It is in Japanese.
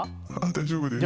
大丈夫です。